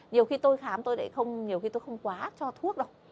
nhiều khi tôi khám tôi lại không quá cho thuốc đâu